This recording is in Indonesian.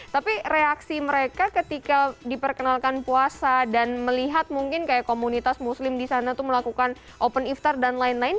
tapi reaksi mereka ketika diperkenalkan puasa dan melihat mungkin kayak komunitas muslim di sana tuh melakukan open iftar dan lain lain